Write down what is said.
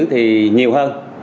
thì nhiều hơn